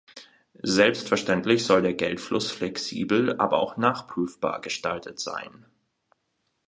Selbstverständlich soll der Geldfluss flexibel, aber auch nachprüfbar gestaltet sein.